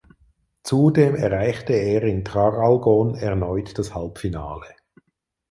Zudem erreichte er in Traralgon erneut das Halbfinale.